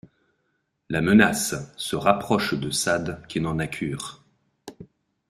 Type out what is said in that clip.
La menace se rapproche de Sade qui n'en a cure.